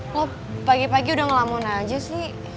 lo pagi pagi udah ngelamun aja sih